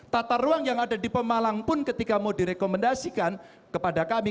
tata ruang yang ada di pemalang pun ketika mau direkomendasikan kepada kami